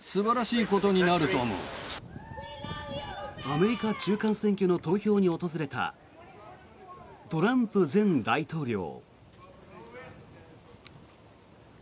アメリカ中間選挙の投票に訪れたトランプ前大統領。